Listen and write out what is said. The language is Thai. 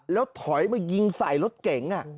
แล้วถอยมายิงใส่รถเก๋ง